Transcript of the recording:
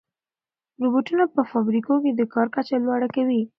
روبوټونه په فابریکو کې د کار کچه لوړه کوي.